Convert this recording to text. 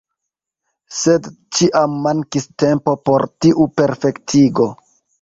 Sed ĉiam mankis tempo por tiu perfektigo.